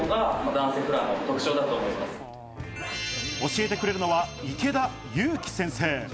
教えてくれるのは池田雄記先生。